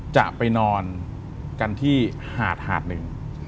จะไปนอนกันที่หาดหาดหนึ่ง